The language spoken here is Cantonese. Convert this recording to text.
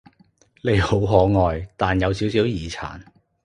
你好可愛，但有少少耳殘